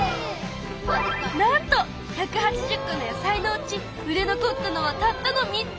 なんと１８０個の野菜のうち売れ残ったのはたったの３つ！